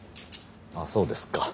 あっそうですか。